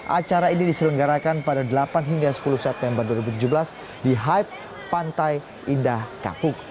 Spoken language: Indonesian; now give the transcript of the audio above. acara ini diselenggarakan pada delapan hingga sepuluh september dua ribu tujuh belas di hype pantai indah kapuk